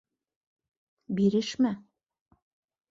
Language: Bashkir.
— Бирешмә!